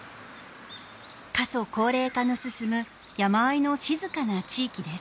過疎高齢化の進む山あいの静かな地域です。